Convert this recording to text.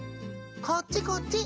・こっちこっち！